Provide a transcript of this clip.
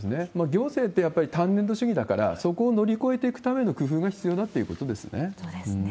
行政ってやっぱり、単年度主義だから、そこを乗り越えていくための工夫が必要だということですよね。